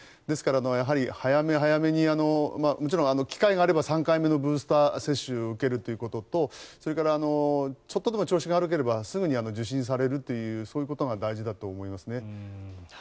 ですから、早め早めにもちろん機会があれば３回目のブースター接種を受けるということと、それからちょっとでも調子が悪ければすぐに受診されるというそういうことが大事だと思います。